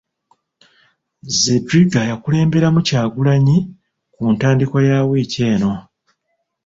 Zedriga yakulemberamu Kyagulanyi ku ntandikwa ya wiiki eno.